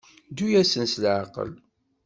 Ddu-asen s leɛqel.